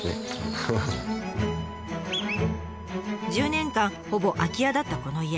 １０年間ほぼ空き家だったこの家。